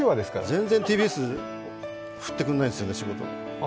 全然ＴＢＳ振ってくれないんですよね、仕事。